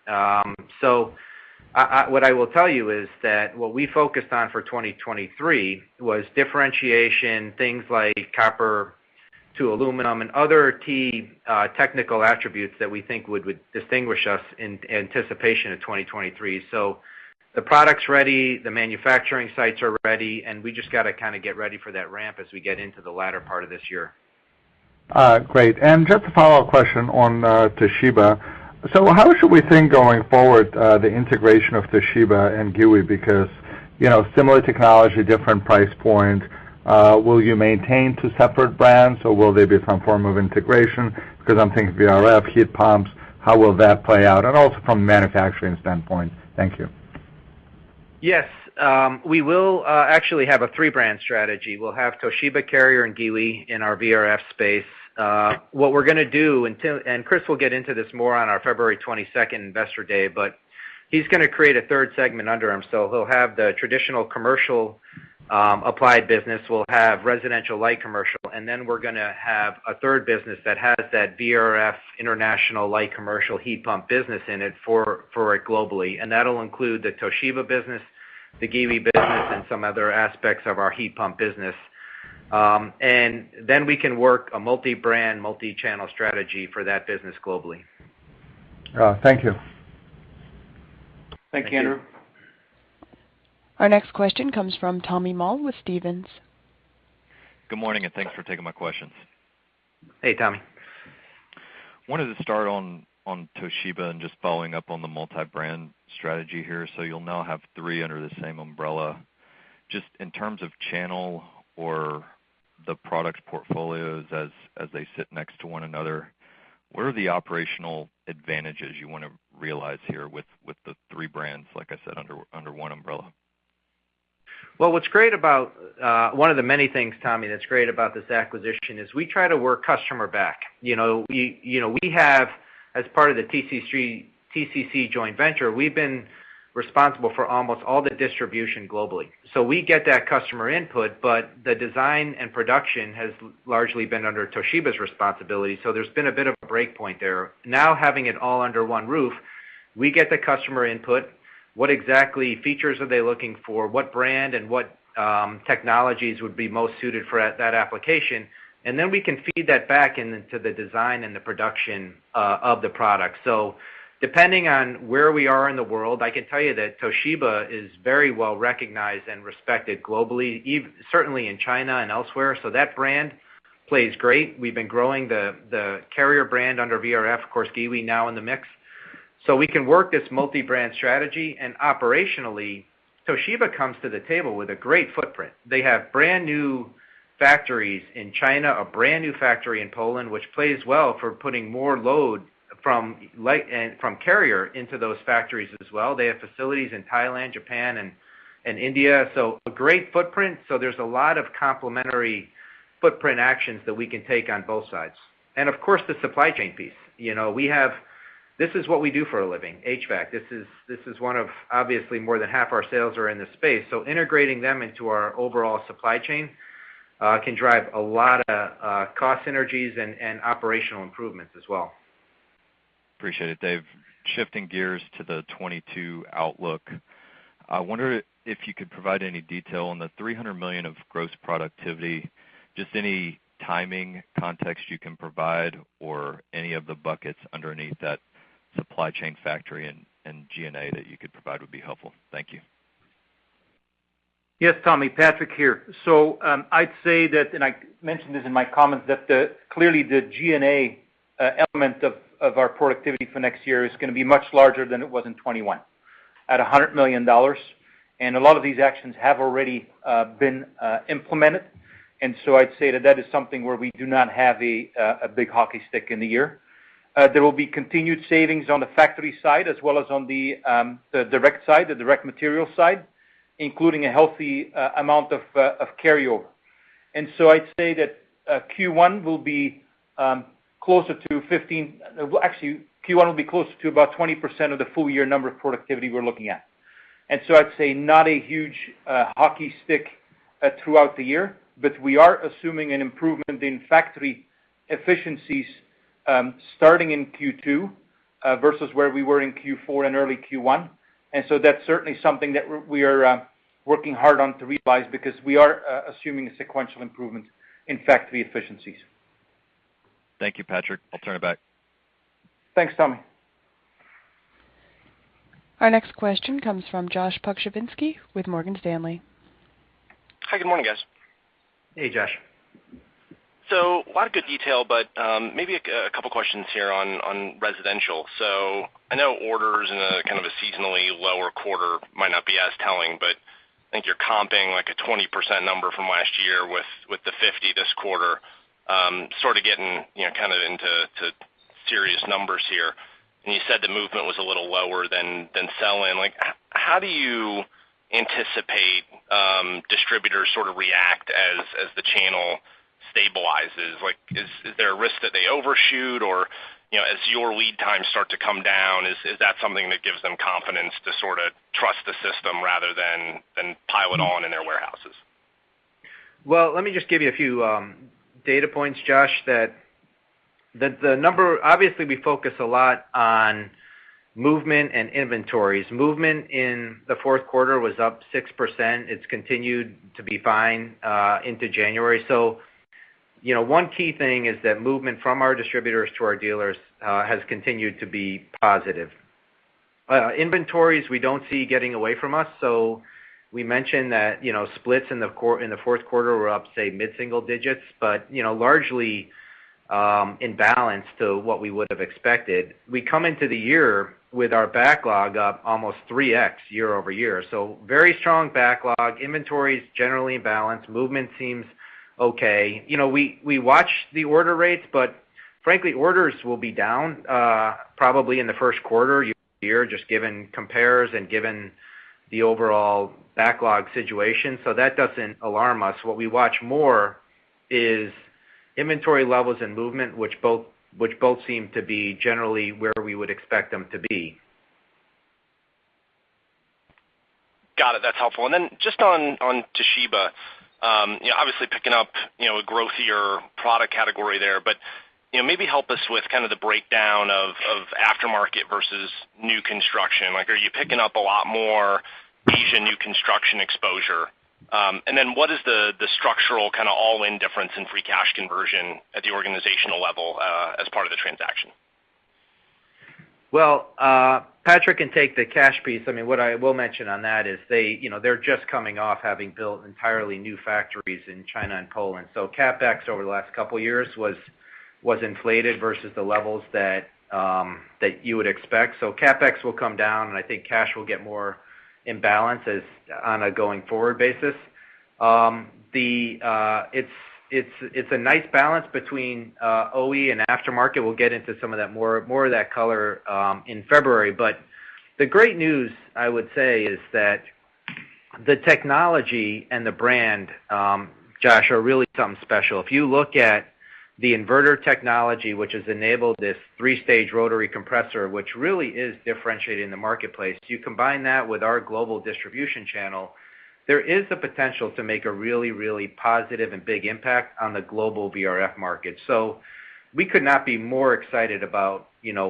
Speaker 3: So, what I will tell you is that what we focused on for 2023 was differentiation, things like copper to aluminum and other key technical attributes that we think would distinguish us in anticipation of 2023. The product's ready, the manufacturing sites are ready, and we just gotta kind of get ready for that ramp as we get into the latter part of this year.
Speaker 10: Great. Just a follow-up question on Toshiba. How should we think going forward, the integration of Toshiba and Giwee? Because, similar technology, different price point, will you maintain two separate brands, or will they be some form of integration? Because I'm thinking VRF, heat pumps, how will that play out? And also from a manufacturing standpoint. Thank you.
Speaker 3: Yes. We will actually have a three-brand strategy. We'll have Toshiba, Carrier and Giwee in our VRF space. What we're gonna do and Chris will get into this more on our February 22 Investor Day, but he's gonna create a third segment under him. He'll have the traditional commercial applied business, we'll have residential light commercial, and then we're gonna have a third business that has that VRF international light commercial heat pump business in it for it globally. That'll include the Toshiba business, the Giwee business, and some other aspects of our heat pump business. Then we can work a multi-brand, multi-channel strategy for that business globally.
Speaker 10: Thank you.
Speaker 3: Thank you, Andrew.
Speaker 1: Our next question comes from Tommy Moll with Stephens.
Speaker 11: Good morning, and thanks for taking my questions.
Speaker 3: Hey, Tommy.
Speaker 11: Wanted to start on Toshiba and just following up on the multi-brand strategy here. You'll now have three under the same umbrella. Just in terms of channel or the product portfolios as they sit next to one another, what are the operational advantages you wanna realize here with the three brands, like I said, under one umbrella?
Speaker 3: Well, what's great about one of the many things, Tommy, that's great about this acquisition is we try to work customer back. You know, we have as part of the TCC joint venture, we've been responsible for almost all the distribution globally. So we get that customer input, but the design and production has largely been under Toshiba's responsibility. So there's been a bit of a break point there. Now having it all under one roof, we get the customer input, what exactly features are they looking for, what brand and what technologies would be most suited for that application, and then we can feed that back into the design and the production of the product. Depending on where we are in the world, I can tell you that Toshiba is very well-recognized and respected globally, certainly in China and elsewhere, so that brand plays great. We've been growing the Carrier brand under VRF, of course. Giwee, we're now in the mix. We can work this multi-brand strategy. Operationally, Toshiba comes to the table with a great footprint. They have brand new factories in China. A brand new factory in Poland, which plays well for putting more load from light and from Carrier into those factories as well. They have facilities in Thailand, Japan, and India, so a great footprint. There's a lot of complementary footprint actions that we can take on both sides. Of course, the supply chain piece. You know, this is what we do for a living, HVAC. This is one of, obviously, more than half our sales are in this space, so integrating them into our overall supply chain can drive a lot of cost synergies and operational improvements as well.
Speaker 11: Appreciate it, Dave. Shifting gears to the 2022 outlook. I wonder if you could provide any detail on the $300 million of gross productivity, just any timing context you can provide or any of the buckets underneath that supply chain factory and G&A that you could provide would be helpful. Thank you.
Speaker 4: Yes, Tommy. Patrick here. I'd say that, and I mentioned this in my comments, that clearly the G&A element of our productivity for next year is gonna be much larger than it was in 2021 at $100 million. A lot of these actions have already been implemented. I'd say that is something where we do not have a big hockey stick in the year. There will be continued savings on the factory side as well as on the direct side, the direct material side, including a healthy amount of carryover. I'd say that Q1 will be closer to about 20% of the full year number of productivity we're looking at. I'd say not a huge hockey stick throughout the year, but we are assuming an improvement in factory efficiencies starting in Q2 versus where we were in Q4 and early Q1. That's certainly something that we are working hard on to revise because we are assuming sequential improvement in factory efficiencies.
Speaker 11: Thank you, Patrick. I'll turn it back.
Speaker 4: Thanks, Tommy.
Speaker 1: Our next question comes from Josh Pokrzywinski with Morgan Stanley.
Speaker 12: Hi, good morning, guys.
Speaker 3: Hey, Josh.
Speaker 12: A lot of good detail, but maybe a couple questions here on residential. I know orders in a kind of seasonally lower quarter might not be as telling, but I think you're comping like a 20% number from last year with the 50% this quarter, sort of getting kind of into serious numbers here. You said the movement was a little lower than sell-in. Like, how do you anticipate distributors sort of react as the channel stabilizes? Like, is there a risk that they overshoot? Or as your lead times start to come down, is that something that gives them confidence to sort of trust the system rather than pile it on in their warehouses?
Speaker 3: Well, let me just give you a few data points, Josh. Obviously, we focus a lot on movement and inventories. Movement in the fourth quarter was up 6%. It's continued to be fine into January. You know, one key thing is that movement from our distributors to our dealers has continued to be positive. Inventories, we don't see getting away from us. We mentioned that, splits in the fourth quarter were up, say, mid-single-digits, but, largely in balance to what we would have expected. We come into the year with our backlog up almost 3x year-over-year. Very strong backlog. Inventories generally in balance. Movement seems okay. You know, we watch the order rates, but frankly, orders will be down, probably in the first quarter year just given compares and given the overall backlog situation. So that doesn't alarm us. What we watch more is inventory levels and movement, which both seem to be generally where we would expect them to be.
Speaker 12: Got it. That's helpful. Just on Toshiba, obviously picking up, a growthier product category there, but, maybe help us with kind of the breakdown of aftermarket versus new construction. Like, are you picking up a lot more Asian new construction exposure? What is the structural kinda all-in difference in free cash conversion at the organizational level, as part of the transaction?
Speaker 3: Well, Patrick can take the cash piece. I mean, what I will mention on that is they're just coming off having built entirely new factories in China and Poland. CapEx over the last couple years was inflated versus the levels that you would expect. CapEx will come down, and I think cash will get more in balance as on a going forward basis. It's a nice balance between OE and aftermarket. We'll get into some of that more of that color in February. The great news, I would say, is that the technology and the brand, Josh, are really something special. If you look at the inverter technology, which has enabled this three-stage rotary compressor, which really is differentiating the marketplace, you combine that with our global distribution channel, there is the potential to make a really, really positive and big impact on the global VRF market. We could not be more excited about,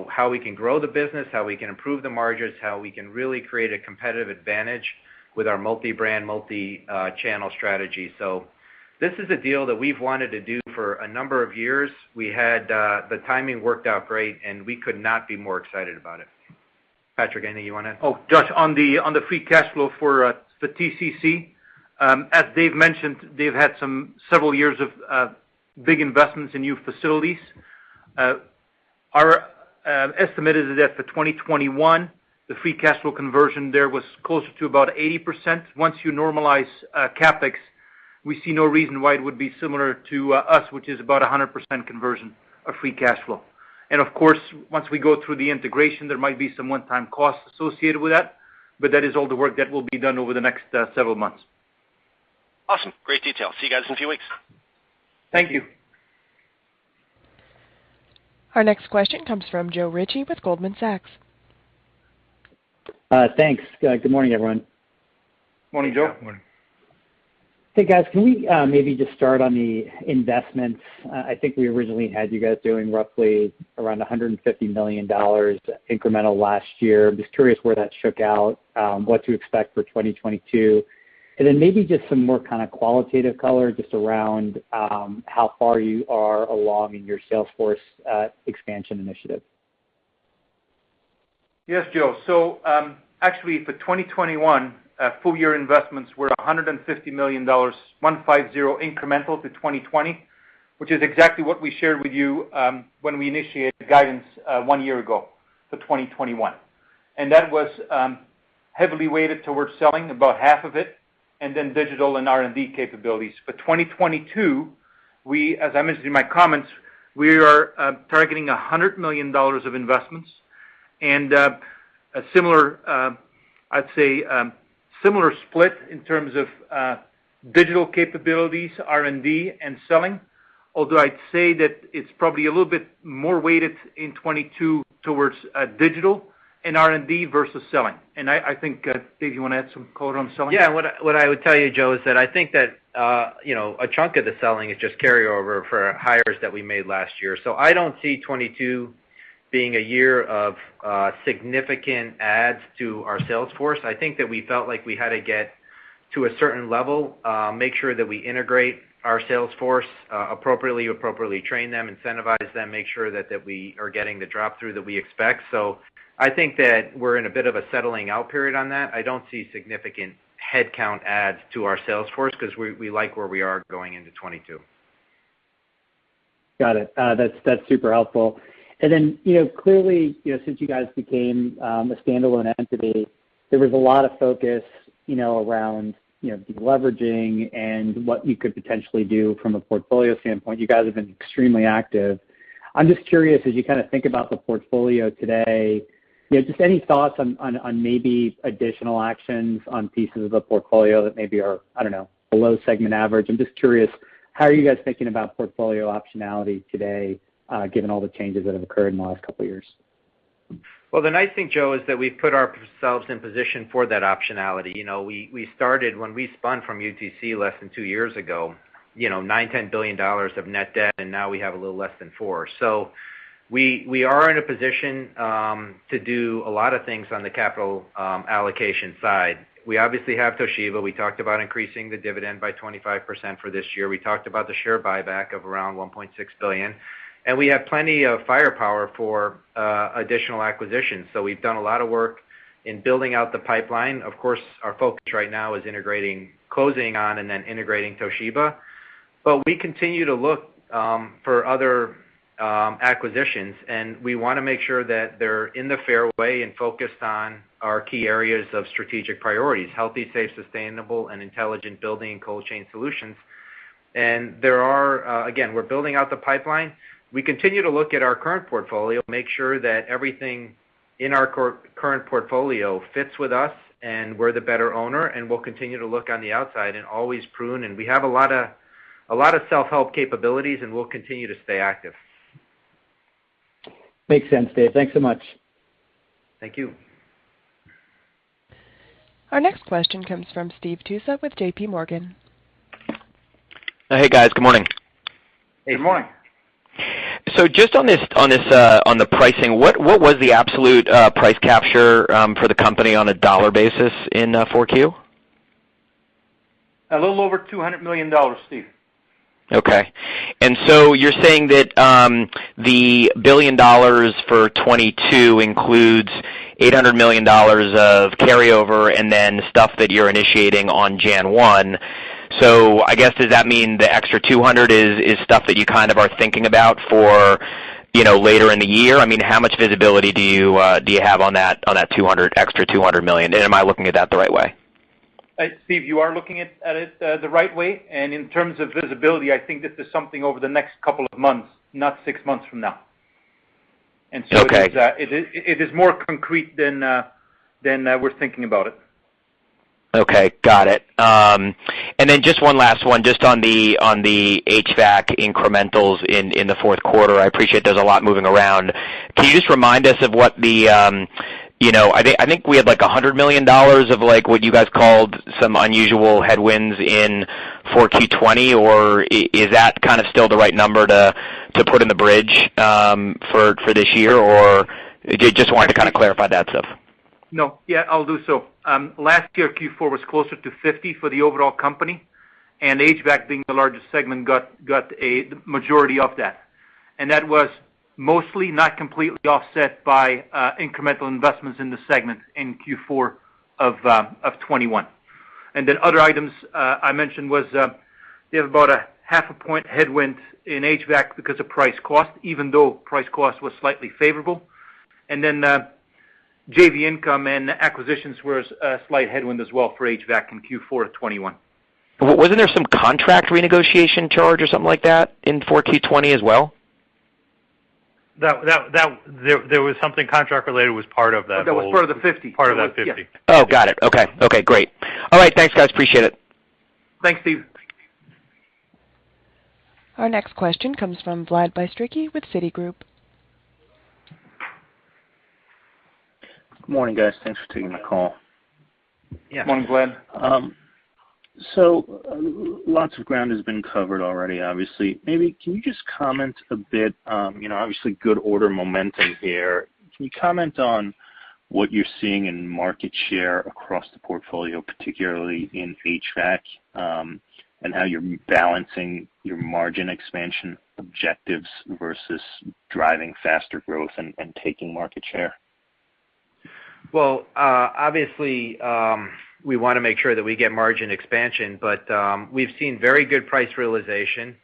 Speaker 3: how we can grow the business, how we can improve the margins, how we can really create a competitive advantage with our multi-brand, multi-channel strategy. This is a deal that we've wanted to do for a number of years. We had the timing worked out great, and we could not be more excited about it. Patrick, anything you wanna add?
Speaker 4: Oh, Josh, on the free cash flow for the TCC, as Dave mentioned, they've had some several years of big investments in new facilities. Our estimate is that for 2021, the free cash flow conversion there was closer to about 80%. Once you normalize CapEx, we see no reason why it would be similar to us, which is about a 100% conversion of free cash flow. Of course, once we go through the integration, there might be some one-time costs associated with that, but that is all the work that will be done over the next several months.
Speaker 12: Awesome. Great detail. See you guys in a few weeks.
Speaker 4: Thank you.
Speaker 3: Thank you.
Speaker 1: Our next question comes from Joe Ritchie with Goldman Sachs.
Speaker 13: Thanks. Good morning, everyone.
Speaker 4: Morning, Joe.
Speaker 3: Yeah, morning.
Speaker 13: Hey, guys. Can we maybe just start on the investments? I think we originally had you guys doing roughly around $150 million incremental last year. Just curious where that shook out, what to expect for 2022. Maybe just some more kind of qualitative color just around how far you are along in your sales force expansion initiative.
Speaker 4: Yes, Joe. Actually, for 2021, full year investments were $150 million, 150 incremental to 2020, which is exactly what we shared with you, when we initiated guidance, one year ago for 2021. That was heavily weighted towards selling about half of it and then digital and R&D capabilities. For 2022, as I mentioned in my comments, we are targeting $100 million of investments and a similar split in terms of digital capabilities, R&D, and selling. Although I'd say that it's probably a little bit more weighted in 2022 towards digital and R&D versus selling. I think, Dave, you wanna add some color on selling?
Speaker 3: Yeah. What I would tell you, Joe, is that I think that, a chunk of the selling is just carryover for hires that we made last year. I don't see 2022 being a year of significant adds to our sales force. I think that we felt like we had to get to a certain level, make sure that we integrate our sales force appropriately, train them, incentivize them, make sure that we are getting the drop through that we expect. I think that we're in a bit of a settling out period on that. I don't see significant headcount adds to our sales force 'cause we like where we are going into 2022.
Speaker 13: Got it. That's super helpful. You know, clearly, since you guys became a standalone entity, there was a lot of focus, around deleveraging and what you could potentially do from a portfolio standpoint. You guys have been extremely active. I'm just curious, as you kinda think about the portfolio today, just any thoughts on on maybe additional actions on pieces of the portfolio that maybe are, I don't know, below segment average? I'm just curious, how are you guys thinking about portfolio optionality today, given all the changes that have occurred in the last couple of years?
Speaker 3: Well, the nice thing, Joe, is that we've put ourselves in position for that optionality. You know, we started when we spun from UTC less than two years ago, $9 billion-$10 billion of net debt, and now we have a little less than $4 billion. We are in a position to do a lot of things on the capital allocation side. We obviously have Toshiba. We talked about increasing the dividend by 25% for this year. We talked about the share buyback of around $1.6 billion. We have plenty of firepower for additional acquisitions. We've done a lot of work in building out the pipeline. Of course, our focus right now is integrating, closing on and then integrating Toshiba. We continue to look for other acquisitions, and we wanna make sure that they're in the fairway and focused on our key areas of strategic priorities, healthy, safe, sustainable, and intelligent building and cold chain solutions. There are again, we're building out the pipeline. We continue to look at our current portfolio, make sure that everything in our current portfolio fits with us and we're the better owner, and we'll continue to look on the outside and always prune. We have a lot of self-help capabilities, and we'll continue to stay active.
Speaker 13: Makes sense, Dave. Thanks so much.
Speaker 3: Thank you.
Speaker 1: Our next question comes from Steve Tusa with JPMorgan.
Speaker 14: Hey, guys. Good morning.
Speaker 4: Good morning.
Speaker 14: Just on this, on the pricing, what was the absolute price capture for the company on a dollar basis in 4Q?
Speaker 4: A little over $200 million, Steve.
Speaker 14: Okay. You're saying that the $1 billion for 2022 includes $800 million of carryover and then stuff that you're initiating on January 1. I guess, does that mean the extra $200 is stuff that you kind of are thinking about for, later in the year? I mean, how much visibility do you have on that extra $200 million? And am I looking at that the right way?
Speaker 4: Steve, you are looking at it the right way. In terms of visibility, I think this is something over the next couple of months, not six months from now.
Speaker 14: Okay.
Speaker 4: It is more concrete than we're thinking about it.
Speaker 14: Okay, got it. Just one last one, just on the HVAC incrementals in the fourth quarter. I appreciate there's a lot moving around. Can you just remind us of what I think we had, like, $100 million of, like, what you guys called some unusual headwinds in 4Q 2020. Is that kind of still the right number to put in the bridge for this year? I just wanted to kind of clarify that stuff.
Speaker 4: No. Yeah, I'll do so. Last year, Q4 was closer to 50 for the overall company. HVAC being the largest segment got a majority of that. That was mostly, not completely, offset by incremental investments in the segment in Q4 of 2021. Other items I mentioned was, we have about a half a point headwind in HVAC because of price cost, even though price cost was slightly favorable. JV income and acquisitions were a slight headwind as well for HVAC in Q4 of 2021.
Speaker 14: Wasn't there some contract renegotiation charge or something like that in 4Q 2020 as well?
Speaker 4: There was something contract-related that was part of that whole.
Speaker 3: That was part of the 50.
Speaker 4: Part of that 50.
Speaker 3: Yes.
Speaker 14: Oh, got it. Okay, great. All right, thanks guys, appreciate it.
Speaker 4: Thanks, Steve.
Speaker 1: Our next question comes from Vladimir Bystricky with Citigroup.
Speaker 15: Good morning, guys. Thanks for taking my call.
Speaker 3: Yes.
Speaker 4: Good morning, Vlad.
Speaker 15: Lots of ground has been covered already, obviously. Maybe you can just comment a bit, obviously good order momentum here. Can you comment on what you're seeing in market share across the portfolio, particularly in HVAC, and how you're balancing your margin expansion objectives versus driving faster growth and taking market share?
Speaker 3: Well, obviously, we wanna make sure that we get margin expansion, but we've seen very good price realization.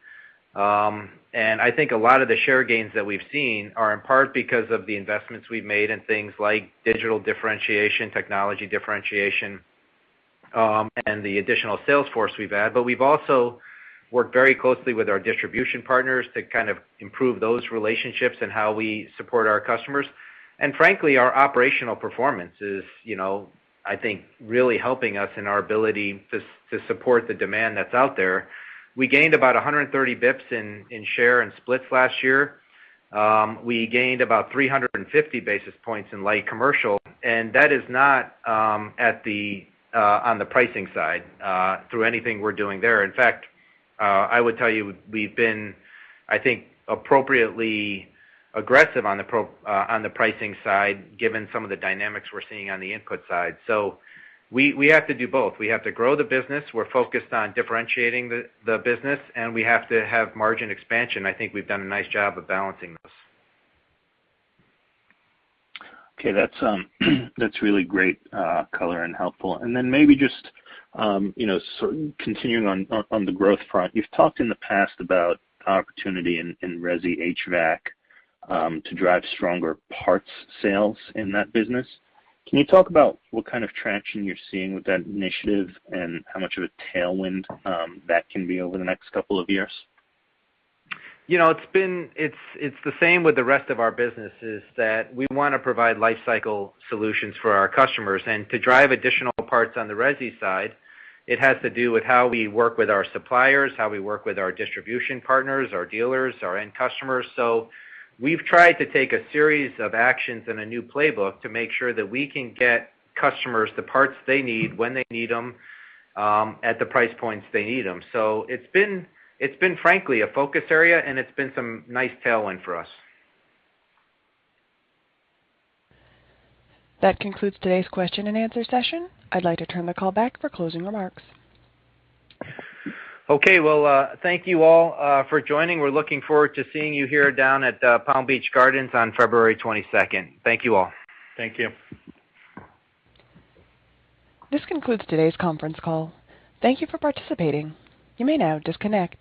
Speaker 3: I think a lot of the share gains that we've seen are in part because of the investments we've made in things like digital differentiation, technology differentiation, and the additional sales force we've had. We've also worked very closely with our distribution partners to kind of improve those relationships and how we support our customers. Frankly, our operational performance is, I think really helping us in our ability to support the demand that's out there. We gained about 130 basis points in share and splits last year. We gained about 350 basis points in light commercial, and that is not on the pricing side through anything we're doing there. In fact, I would tell you we've been, I think, appropriately aggressive on the pricing side given some of the dynamics we're seeing on the input side. We have to do both. We have to grow the business. We're focused on differentiating the business, and we have to have margin expansion. I think we've done a nice job of balancing those.
Speaker 15: Okay, that's really great color and helpful. Then maybe just continuing on the growth front. You've talked in the past about opportunity in resi HVAC to drive stronger parts sales in that business. Can you talk about what kind of traction you're seeing with that initiative and how much of a tailwind that can be over the next couple of years?
Speaker 3: You know, it's the same with the rest of our businesses, that we wanna provide lifecycle solutions for our customers. To drive additional parts on the resi side, it has to do with how we work with our suppliers, how we work with our distribution partners, our dealers, our end customers. We've tried to take a series of actions in a new playbook to make sure that we can get customers the parts they need when they need them, at the price points they need them. It's been frankly a focus area, and it's been some nice tailwind for us.
Speaker 1: That concludes today's question and answer session. I'd like to turn the call back for closing remarks.
Speaker 3: Okay. Well, thank you all for joining. We're looking forward to seeing you here down at Palm Beach Gardens on February 22nd. Thank you all.
Speaker 4: Thank you.
Speaker 1: This concludes today's conference call. Thank you for participating. You may now disconnect.